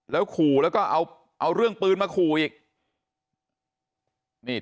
แล้วขู่แล้วก็เอาเรื่องปืนมาขู่อีกนี่